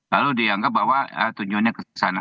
lalu dianggap bahwa tujuannya ke sana